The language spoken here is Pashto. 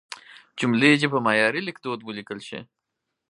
جملې دې په معیاري لیکدود ولیکل شي.